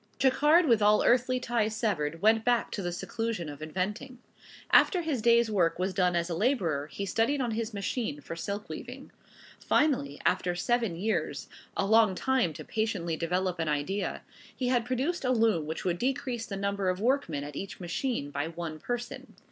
Jacquard with all earthly ties severed went back to the seclusion of inventing. After his day's work was done as a laborer, he studied on his machine for silk weaving. Finally, after seven years, a long time to patiently develop an idea, he had produced a loom which would decrease the number of workmen at each machine, by one person.